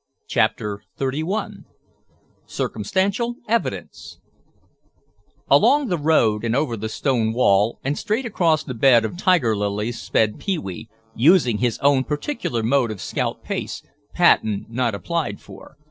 CHAPTER XXXI CIRCUMSTANTIAL EVIDENCE Along the road and over the stone wall and straight across the bed of tiger lilies sped Pee wee, using his own particular mode of scout pace, patent not applied for.